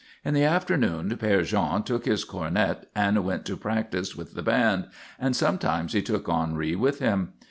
In the afternoon Père Jean took his cornet and went to practise with the band, and sometimes he took Henri with him.